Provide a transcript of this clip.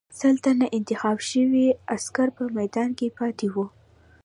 سل تنه انتخاب شوي عسکر په میدان کې پاتې وو.